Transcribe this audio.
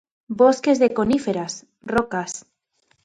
Bosques de coníferas, rocas.